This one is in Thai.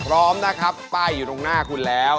พร้อมนะครับป้ายอยู่ตรงหน้าคุณแล้ว